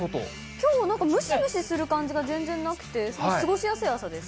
きょうはなんかムシムシする感じが全然なくて、過ごしやすい朝です。